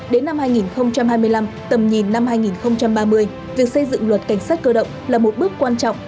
đến năm hai nghìn hai mươi năm tầm nhìn năm hai nghìn ba mươi việc xây dựng luật cảnh sát cơ động là một bước quan trọng